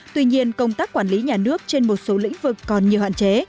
tuy nhiên công tác quản lý nhà nước trên một số lĩnh vực còn nhiều hạn chế